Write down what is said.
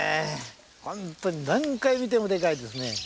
本当に何回見てもでかいですね。